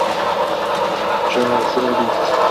ږغ او ږوغ دی.